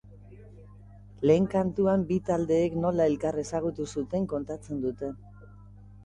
Lehen kantuan bi taldeek nola elkar ezagutu zuten kontatzen dute.